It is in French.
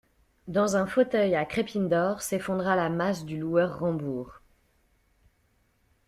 Dans un fauteuil à crépines d'or, s'effondra la masse du loueur Rambourg.